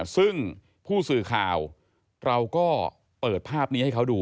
ซึ่งผู้สื่อข่าวเราก็เปิดภาพนี้ให้เขาดู